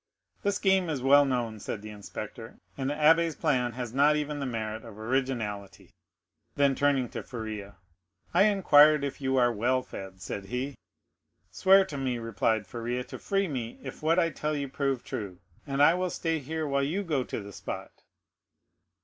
"The scheme is well known," said the inspector; "and the abbé's plan has not even the merit of originality." Then turning to Faria, "I inquired if you are well fed?" said he. "Swear to me," replied Faria, "to free me if what I tell you prove true, and I will stay here while you go to the spot."